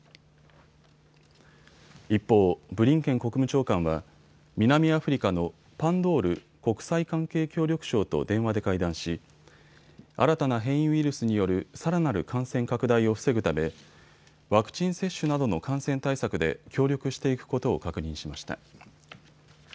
一方、ブリンケン国務長官は南アフリカのパンドール国際関係・協力相と電話で会談し新たな変異ウイルスによるさらなる感染拡大を防ぐためワクチン接種などの感染対策で協力していくことを確認しました。